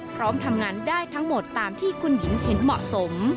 พร้อมทำงานได้ทั้งหมดตามที่คุณหญิงเห็นเหมาะสม